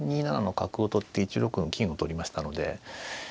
２七の角を取って１六の金を取りましたので。